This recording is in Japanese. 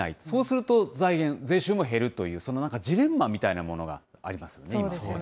そうすると財源、税収も減るという、そのなんか、ジレンマみたいなものがありますよね。